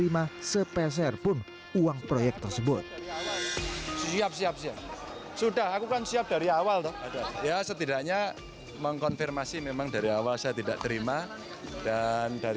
nah sekarang polanya apa yang dilakukan